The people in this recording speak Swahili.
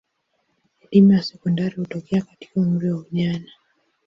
Elimu ya sekondari hutokea katika umri wa ujana.